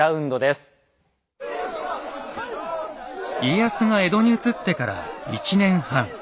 家康が江戸に移ってから１年半。